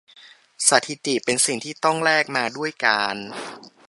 สถิติเป็นสิ่งที่ต้องแลกมาด้วยการ